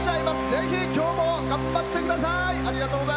ぜひ、きょうも頑張ってください。